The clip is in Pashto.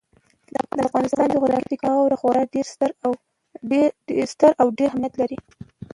د افغانستان جغرافیه کې خاوره خورا ستر او ډېر اهمیت لري.